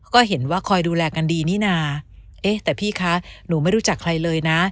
ก็เห็นว่าคอยดูแลกันดีนี่นาเอ๊ะแต่พี่คะหนูไม่รู้จักใครเลยนะ